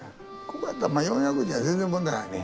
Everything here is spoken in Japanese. ここやったらまあ４００人は全然問題ないね。